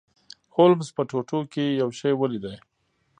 هولمز په ټوټو کې یو شی ولید.